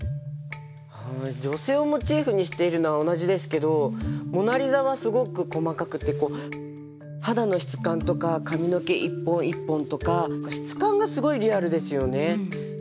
はい女性をモチーフにしているのは同じですけど「モナ・リザ」はすごく細かくて肌の質感とか髪の毛一本一本とか質感がすごいリアルですよね。